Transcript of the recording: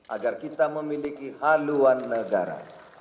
agar kita memiliki haluan negara